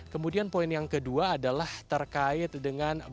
kemudian poin yang kedua adalah terkait dengan